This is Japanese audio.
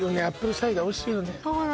サイダーおいしいよね